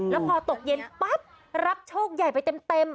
แล้วพอตกเย็นปั๊บรับโชคใหญ่ไปเต็ม